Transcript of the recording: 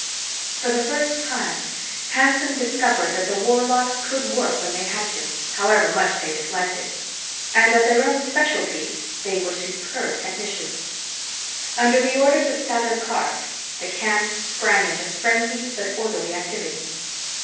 For the first time, Hanson discovered that the warlocks could work when they had to, however much they disliked it. And at their own specialties, they were superb technicians. Under the orders of Sather Karf, the camp sprang into frenzied but orderly activity.